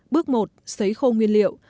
bước một xấy khô nguyên liệu